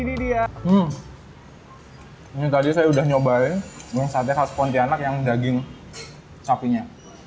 ini tadi saya sudah nyobain sate khas pontianak yang daging sapinya